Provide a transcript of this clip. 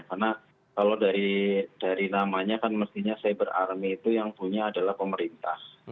karena kalau dari namanya kan mestinya cyber army itu yang punya adalah pemerintah